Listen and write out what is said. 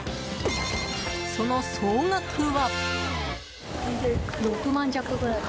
その総額は。